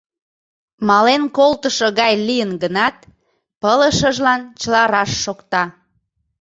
Мален колтышо гай лийын гынат, пылышыжлан чыла раш шокта.